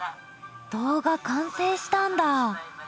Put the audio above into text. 動画完成したんだ！